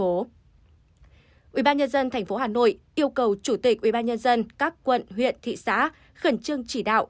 ubnd tp hà nội yêu cầu chủ tịch ubnd các quận huyện thị xã khẩn trương chỉ đạo